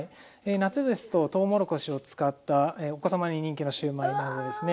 夏ですととうもろこしを使ったお子様に人気のシューマイなどですね。